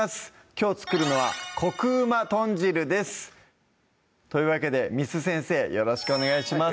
きょう作るのは「こくうま豚汁」ですというわけで簾先生よろしくお願いします